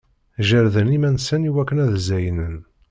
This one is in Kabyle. Jerden iman-nsen i wakken ad-zeynen.